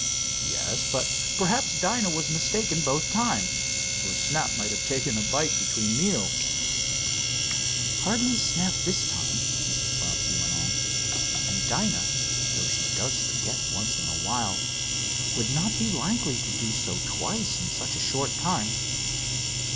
"Yes, but perhaps Dinah was mistaken both times, or Snap might have taken a bite between meals." "Hardly Snap this time," Mrs. Bobbsey went on, "and Dinah, though she does forget once in a while, would not be likely to do so twice in such a short time.